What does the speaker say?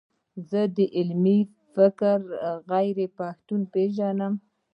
زه ډېر ملي فکره غیرپښتانه پېژنم.